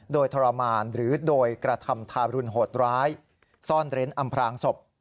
โดยทรมานหรือโดยกระทำทารุณโหดร้ายซ่อนเร้นอำพลางศพ